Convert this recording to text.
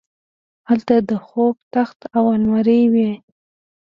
هلته د خوب تخت او المارۍ وې